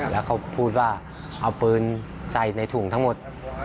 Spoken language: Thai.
แล้วเขาพูดว่าเอาปืนใส่ในถุงทั้งหมด